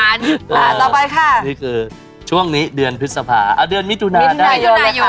ต่อไปค่ะนี่คือช่วงนี้เดือนพฤษภาเดือนมิถุนายน